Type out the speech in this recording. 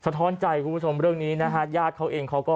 สะท้อนใจอย่างกว่าผู้ชมเรื่องนี้นะครับ